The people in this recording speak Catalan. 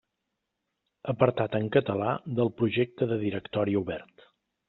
Apartat en català del Projecte de Directori Obert.